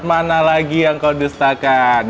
mana lagi yang kau dustakan